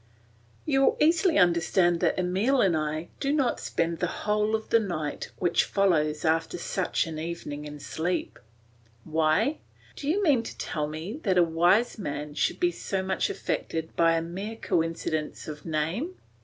You will easily understand that Emile and I do not spend the whole of the night which follows after such an evening in sleep. Why! Do you mean to tell me that a wise man should be so much affected by a mere coincidence of name!